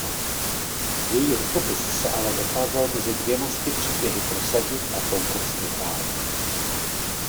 Její rukopis se ale dokázal mezi dvěma sty příběhy prosadit a konkurz vyhrál.